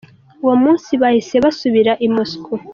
Uwo munsi bahise basubira i Moscou.